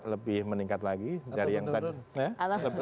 lebih meningkat lagi dari yang tadi